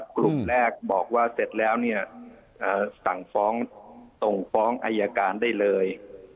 กลุ่มแรกบอกว่าเสร็จแล้วเนี่ยสั่งฟ้องส่งฟ้องอายการได้เลย